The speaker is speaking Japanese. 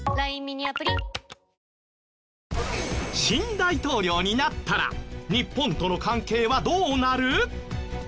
新大統領になったら日本との関係はどうなる？